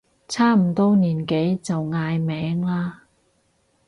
差唔多年紀就嗌名啦